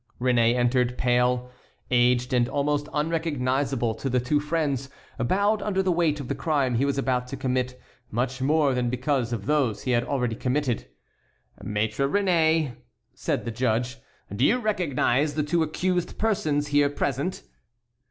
Réné entered, pale, aged, and almost unrecognizable to the two friends, bowed under the weight of the crime he was about to commit much more than because of those he had already committed. "Maître Réné," said the judge, "do you recognize the two accused persons here present?"